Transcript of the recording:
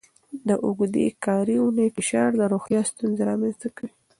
د اوږدې کاري اونۍ فشار د روغتیا ستونزې رامنځته کوي.